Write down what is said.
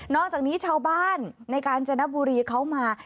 จากนี้ชาวบ้านในการจนบุรีเขามา